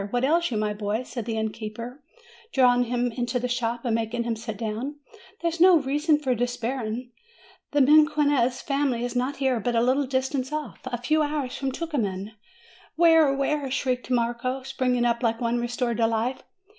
what ails you, my boy?" said the innkeeper, drawing him into the shop and making him sit down. "There's no reason for despairing! The Mequinez family is not here, but at a little distance off, a few hours from Tucuman." "Where? where?" shrieked Marco, springing up like one restored to life.